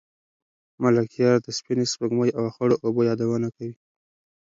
ملکیار د سپینې سپوږمۍ او خړو اوبو یادونه کوي.